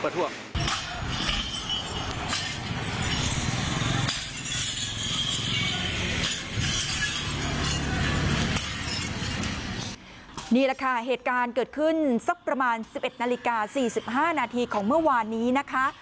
นี่แหละค่ะเหตุการณ์เกิดขึ้นสักประมาณ๑๑นาฬิกา๔๕นาทีของเมื่อวานนี้นะคะ